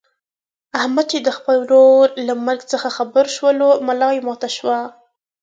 احمد چې د خپل ورور له مرګ څخه خبر شولو ملایې ماته شوله.